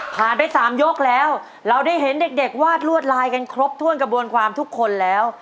ไป๓ยกแล้วเราได้เห็นเด็กวาดลวดลายกันครบถ้วนกระบวนความทุกคนแล้ว